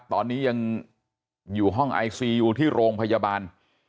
ตอนนี้ยังอยู่ห้องไอซียูที่โรงพยาบาล